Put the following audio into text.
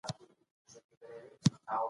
فرض عين عبادتونه هر مسلمان باید پوه شي.